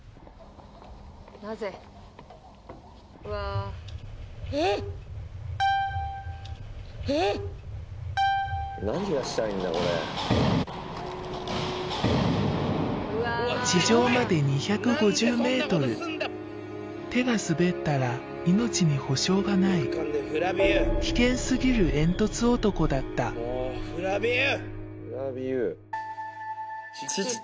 なぜうわあはあっはあっ地上まで２５０ｍ手が滑ったら命に保証がない危険すぎる煙突男だったもうフラビウ！